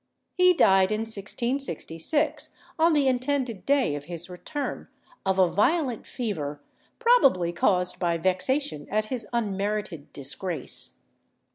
He died in 1666, on the intended day of his return, of a violent fever, probably caused by vexation at his unmerited disgrace.